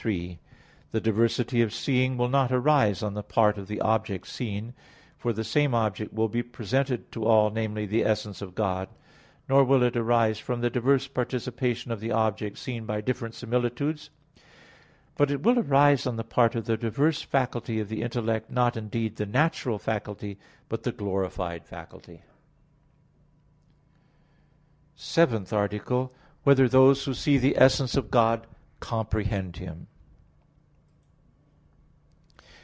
3: The diversity of seeing will not arise on the part of the object seen, for the same object will be presented to all viz. the essence of God; nor will it arise from the diverse participation of the object seen by different similitudes; but it will arise on the part of the diverse faculty of the intellect, not, indeed, the natural faculty, but the glorified faculty. _______________________ SEVENTH ARTICLE [I, Q. 12, Art. 7] Whether Those Who See the Essence of God Comprehend Him?